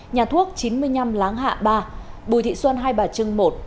nhà thuốc chín mươi năm láng hạ ba bùi thị xuân hai bà trưng một